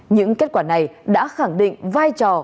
những kết quả này đã khẳng định vai trò